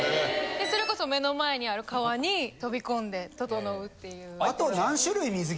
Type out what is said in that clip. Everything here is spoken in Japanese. それこそ目の前にある川に飛び込んでととのうっていう。